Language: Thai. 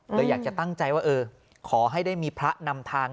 เลยอยากจะตั้งใจว่าเออขอให้ได้มีพระนำทาง